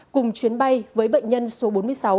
cùng chuyến bay với bệnh nhân số bốn mươi sáu